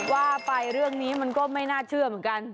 ว่าไปเรื่องนี้มันก็ไม่น่าเชื่อเหมือนกัน